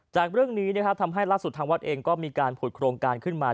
จากเรื่องนี้ทำให้ล่าสุดทางวัดเองก็มีการผุดโครงการขึ้นมา